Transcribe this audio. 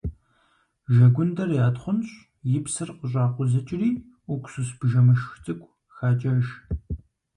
Жэгундэр ятхъунщӏ, и псыр къыщӏакъузыкӏри, уксус бжэмышх цӏыкӏу хакӏэж.